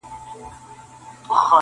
په دې فکر کي خورا په زړه افګار یو٫